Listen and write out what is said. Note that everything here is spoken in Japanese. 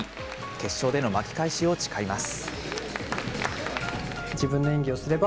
決勝での巻き返しを誓います。